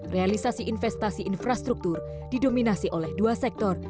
realisasi investasi infrastruktur didominasi oleh dua sektor